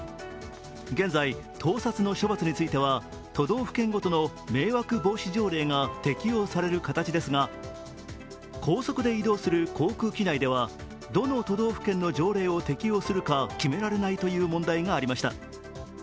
現在、盗撮の処罰については都道府県ごとの迷惑防止条例が適用される形ですが、高速で移動する航空機内ではどの都道府県の条例を適用するか決められないという問題がありました。